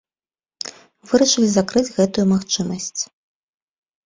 Вырашылі закрыць гэтую магчымасць.